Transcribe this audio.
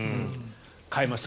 変えました。